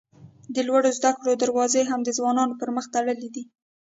د لوړو زده کړو دروازې هم د ځوانانو پر مخ تړلي دي.